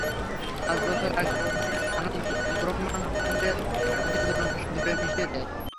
পাঁচ বছর আগে, থানোস ব্রহ্মাণ্ডের অর্ধেক জনসংখ্যা ধুলোয় মিশিয়ে দেয়।